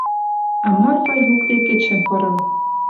А Марфа юкде кӹчӹм пырын